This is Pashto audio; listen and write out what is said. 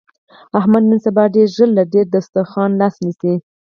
احمد نن سبا ډېر ژر له پر دستاخوان لاس نسي.